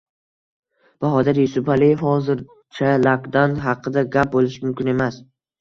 Bahodir Yusupaliyev: Hozircha lokdaun haqida gap bo‘lishi mumkin emas